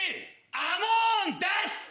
アモーンです！